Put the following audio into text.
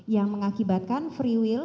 yang mengakibatkan free will